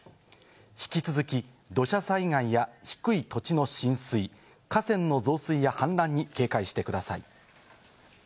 引き続き、土砂災害や低い土地の浸水、河川の増水や、氾濫に警戒してください。